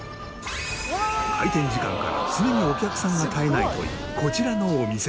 開店時間から常にお客さんが絶えないというこちらのお店。